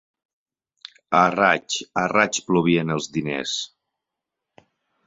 A raig a raig plovien els diners.